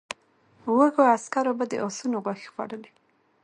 وږو عسکرو به د آسونو غوښې خوړلې.